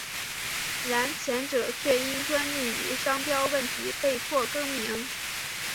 然前者却因专利与商标问题被迫更名。